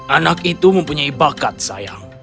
anak itu mempunyai bakat sayang